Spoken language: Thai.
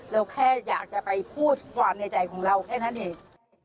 เราแค่อยากจะไปพูดความในใจของเราแค่นั้นเอง